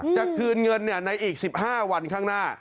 จะคืนเงินในอีก๑๕วันข้างหน้า